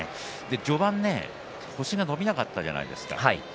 序盤星が伸びなかったじゃないですか